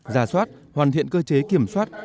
giả soát hoàn thiện cơ chế kiểm soát